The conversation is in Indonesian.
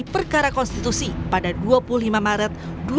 perkara konstitusi pada dua puluh lima maret dua ribu dua puluh